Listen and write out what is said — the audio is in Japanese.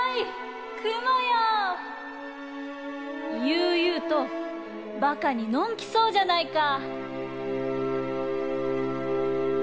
ゆうゆうと馬鹿にのんきそうじゃないか。